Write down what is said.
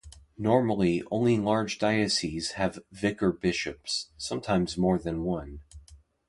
Normally, only large dioceses have vicar bishops, sometimes more than one.